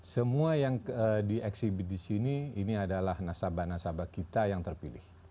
semua yang di exhibit di sini ini adalah nasabah nasabah kita yang terpilih